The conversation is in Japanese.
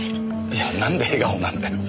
いやなんで笑顔なんだよ。